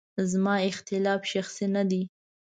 زما اختلاف شخصي نه دی.